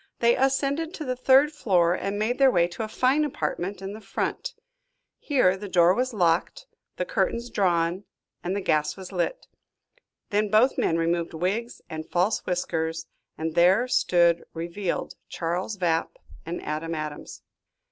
They ascended to the third floor and made their way to a fine apartment in the front. Here the door was locked, the curtains drawn, and the gas was lit. Then both men removed wigs and false whiskers, and there stood revealed Charles Vapp and Adam Adams.